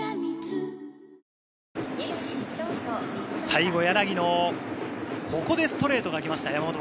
最後、柳の、ここでストレートが来ました。